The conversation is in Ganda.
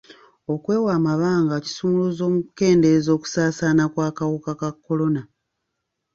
Okwewa amabanga kisumuluzo mu kukendeeza okusaasaana kw'akawuka ka kolona.